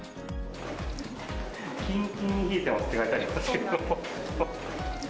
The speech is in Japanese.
キンキンに冷えてますって書いてあります。